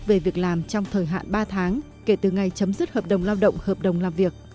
về việc làm trong thời hạn ba tháng kể từ ngày chấm dứt hợp đồng lao động hợp đồng làm việc